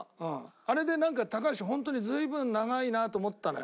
あれでなんか高橋ホントに随分長いなと思ったのよ